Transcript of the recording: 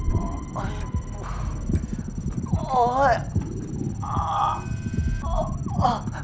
ไปบอสไปเร็ว